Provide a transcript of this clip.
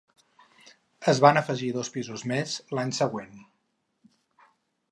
Es van afegir dos pisos més l'any següent.